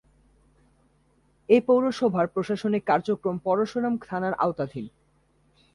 এ পৌরসভার প্রশাসনিক কার্যক্রম পরশুরাম থানার আওতাধীন।